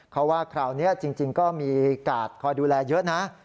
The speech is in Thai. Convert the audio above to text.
เขาว่าคราวนี้จริงก็มีกาดคอยดูแลเยอะนะ